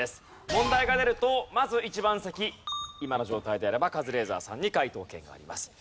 問題が出るとまず１番席今の状態であればカズレーザーさんに解答権があります。